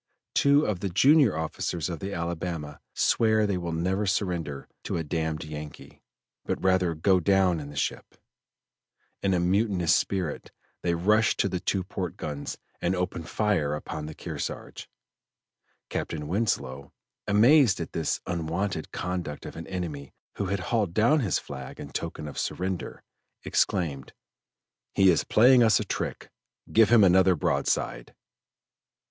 Two of the junior officers of the Alabama swear they will never surrender to a "damned Yankee," but rather go down in the ship; in a mutinous spirit they rush to the two port guns and open fire upon the Kearsarge. Captain Winslow, amazed at this unwonted conduct of an enemy who had hauled down his flag in token of surrender, exclaimed: "He is playing us a trick, give him another broadside."